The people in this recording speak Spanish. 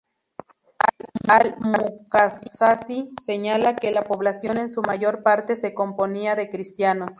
Al-Muqaddasi señala que la población en su mayor parte se componía de cristianos.